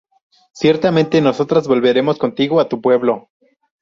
Ciertamente nosotras volveremos contigo á tu pueblo.